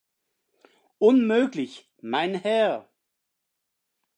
Unmöglich, mein Herr!